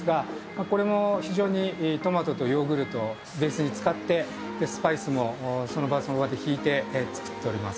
これも非常にトマトとヨーグルトをベースに使ってスパイスもその場で引いて作っております。